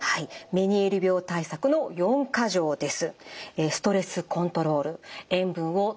メニエール病対策の４か条です。